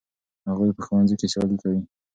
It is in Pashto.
هغوی په ښوونځي کې سیالي کوي.